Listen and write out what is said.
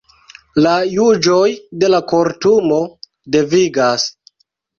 La juĝoj de la Kortumo devigas.